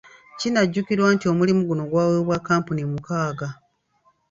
Kinajjukirwa nti omulimu guno gwaweebwa kkampuni mukaaga.